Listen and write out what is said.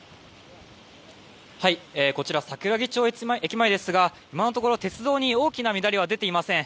こちら、桜木町駅前ですが今のところ鉄道に大きな乱れは出ていません。